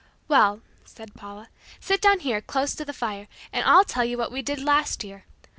"Well," said Paula, "sit down here, close to the fire, and I'll tell you what we did last year.